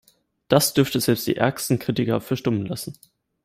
Das dürfte selbst die ärgsten Kritiker verstummen lassen.